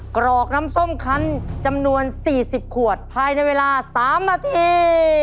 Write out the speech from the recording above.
กรอกน้ำส้มคันจำนวน๔๐ขวดภายในเวลา๓นาที